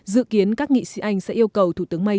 dự kiến các nghị sĩ anh sẽ yêu cầu thủ tướng may